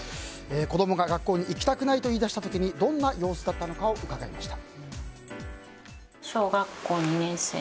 子供が学校に行きたくないと言い出した時にどんな様子だったのかを伺いました。